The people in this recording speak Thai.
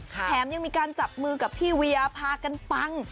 แถมยังมีการจับมือกับพี่เวียพากันปัง